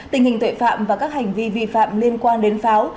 tình hình tội phạm và các hành vi vi phạm liên quan đến pháo